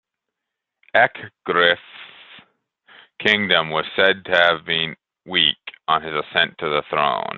Ecgfrith's kingdom was said to have been 'weak' on his ascent to the throne.